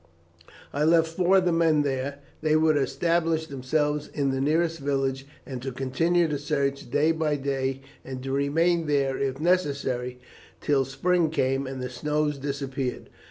I left four of the men there. They were to establish themselves in the nearest village, and to continue the search day by day, and to remain there, if necessary, till the spring came and the snow disappeared.